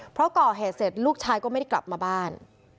เพราะก่อเหตุเสร็จลูกชายก็ไม่ได้กลับมาบ้าน